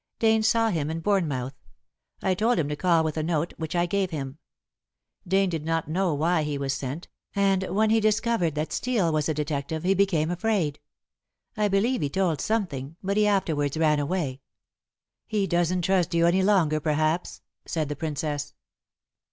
Dane saw him in Bournemouth. I told him to call with a note, which I gave him. Dane did not know why he was sent, and when he discovered that Steel was a detective, he became afraid. I believe he told something, but he afterwards ran away." "He doesn't trust you any longer perhaps," said the Princess.